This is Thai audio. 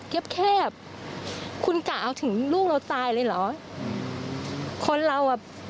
แคบแคบคุณกะเอาถึงลูกเราตายเลยเหรอคนเราอ่ะ